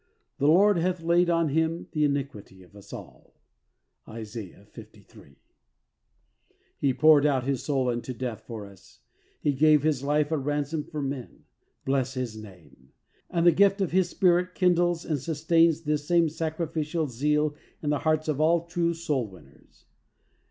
The Lord hath laid on Him the iniquity of us all." (Isa. 53.) He poured out His soul unto death for us, He gave His life a ransom for men. Bless His name! And the gift of His Spirit kindles and sus tains this same sacrificial zeal in the hearts of all true soul winners.